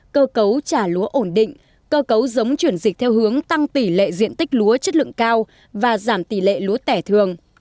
cơ cấu giống chuyển dịch theo hướng tăng tỷ lệ diện tích lúa chất lượng cao và giảm tỷ lệ lúa tẻ thường